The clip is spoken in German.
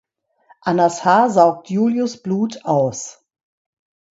Annas Haar saugt Julius’ Blut aus.